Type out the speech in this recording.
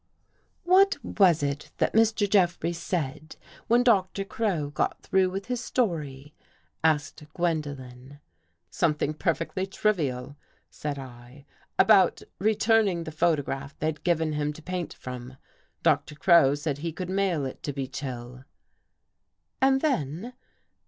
" What was it that Mr. Jeffrey said, when Doctor Crow got through with his story? " asked Gwen dolen. " Something perfectly trivial," said I, " about re turning the photograph they'd given him to paint from. Doctor Crow said he could mail it to Beech Hill." "And then?"